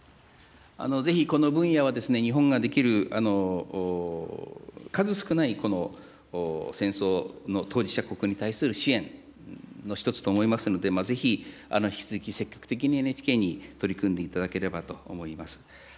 ぜひ、この分野は、日本ができる数少ない、戦争の当事者国に対する支援の一つと思いますので、ぜひ、引き続き積極的にＮＨＫに取り組んでいただければと思います。